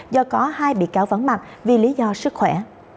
do có hai bị cáo vắng mặt vì lý do sức khỏe